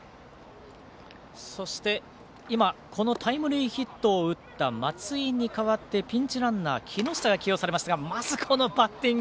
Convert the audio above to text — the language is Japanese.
そして今タイムリーヒットを打った松井に代わってピンチランナー木下が起用されましたがまず、このバッティング。